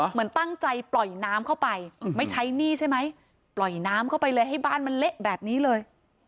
เหมือนตั้งใจปล่อยน้ำเข้าไปไม่ใช้หนี้ใช่ไหมปล่อยน้ำเข้าไปเลยให้บ้านมันเละแบบนี้เลย